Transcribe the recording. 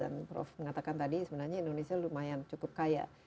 dan prof mengatakan tadi sebenarnya indonesia lumayan cukup kaya